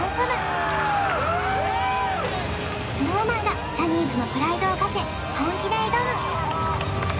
ＳｎｏｗＭａｎがジャニーズのプライドをかけ本気で挑む！